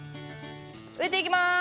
植えていきます。